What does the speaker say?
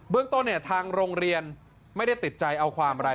เรื่องต้นทางโรงเรียนไม่ได้ติดใจเอาความอะไร